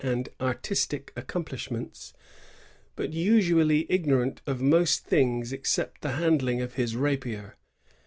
and artistic accomplishments, but usually ignorant of most things except the handling of his rapier.